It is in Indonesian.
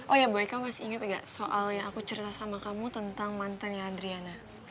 oh ya baik kamu masih inget nggak soal yang aku cerita sama kamu tentang mantannya adriana